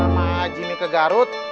sama jimmy ke garut